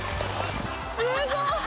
すごっ！